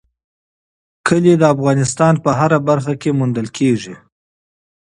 کلي د افغانستان په هره برخه کې موندل کېږي.